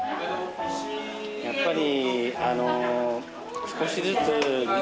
やっぱり。